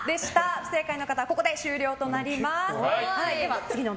不正解の方はここで終了となります。